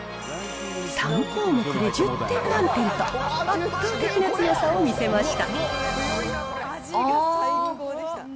３項目で１０点満点と、圧倒的な強さを見せました。